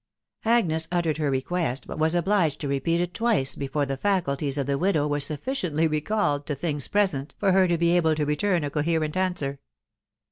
Agnes uttered her request, but was obliged to repeat it twice before the faculties of the widow were sufficiently re called to things present for her to be able to return a coherent answer.